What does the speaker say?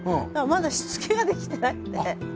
まだしつけができてなくて。